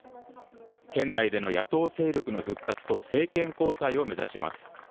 県内での野党勢力の復活と政権交代を目指します。